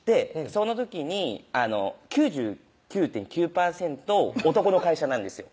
その時に９９．９％男の会社なんですよ